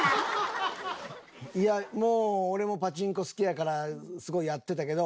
いやもう俺もパチンコ好きやからすごいやってたけど。